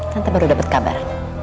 tante baru dapet kabar